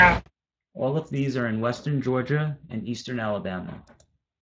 All of these are in western Georgia and eastern Alabama.